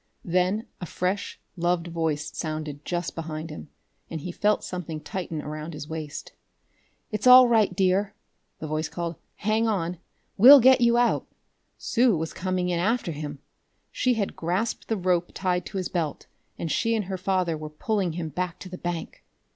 Then a fresh, loved voice sounded just behind him, and he felt something tighten around his waist. "It's all right, dear!" the voice called. "Hang on; we'll get you out!" Sue had come in after him! She had grasped the rope tied to his belt, and she and her father were pulling him back to the bank!